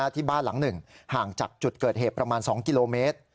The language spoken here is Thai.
ที่บ้านหลังหนึ่งห่างจากจุดเกิดเหตุประมาณ๒กิโลเมตร